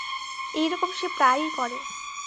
এই রকম সে প্রায়ই করে।